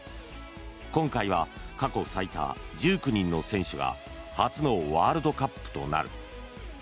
今回は過去最多１９人の選手が初のワールドカップとなる。